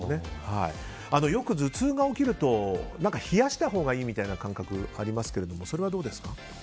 よく頭痛が起きると冷やしたほうがいいみたいな感覚ありますけどそれはどうですか？